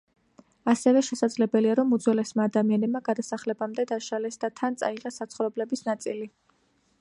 ასევე შესაძლებელია, რომ უძველესმა ადამიანებმა გადასახლებამდე დაშალეს და თან წაიღეს საცხოვრებლების ნაწილი.